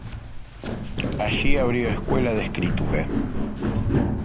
Allí abrió escuela de escritura.